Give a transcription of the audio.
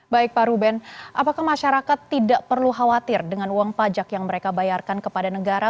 baik pak ruben apakah masyarakat tidak perlu khawatir dengan uang pajak yang mereka bayarkan kepada negara